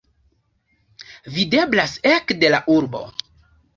Videblas ekde la urbo.